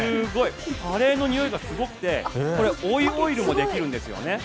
カレーのにおいがすごくて追いオイルもできるんですね。